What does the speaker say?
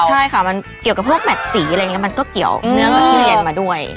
ใช่ค่ะมันเกี่ยวกับพวกแมทสีอะไรอย่างนี้มันก็เกี่ยวเนื่องกับที่เรียนมาด้วย